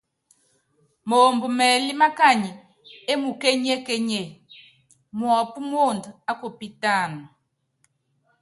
Moomb mɛɛlɛ́ mákany é mukéŋénye, muɔ́pɔ́ muond á kupitáan.